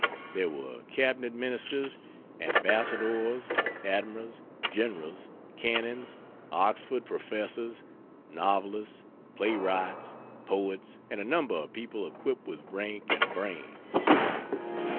There were cabinet ministers, ambassadors, admirals, generals, canons, Oxford professors, novelists, playwrights, poets, and a number of people equipped with rank and brains.